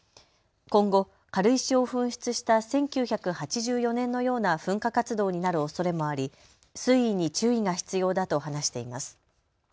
今後、軽石を噴出した１９８４年のような噴火活動になるおそれもあり、推移に注意が必要だと話しています。